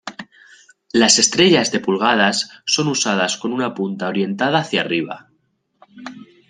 Las estrella de pulgadas son usadas con una punta orientada hacia arriba.